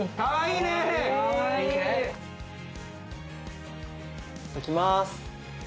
いただきます。